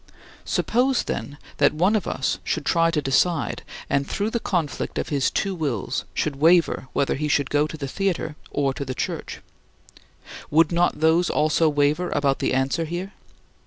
Suppose, then, that one of us should try to decide, and through the conflict of his two wills should waver whether he should go to the theater or to our Church. Would not those also waver about the answer here?